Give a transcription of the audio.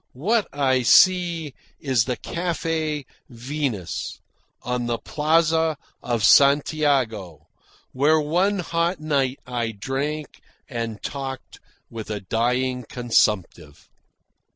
What I see is the Cafe Venus, on the plaza of Santiago, where one hot night I drank and talked with a dying consumptive.